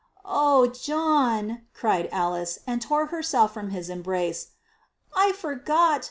"Oh John!" cried Alice, and tore herself from his embrace, "I forgot!